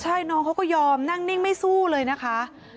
ใช่น้องเขาก็ยอมนั่งนิ่งไม่สู้เลยนะคะ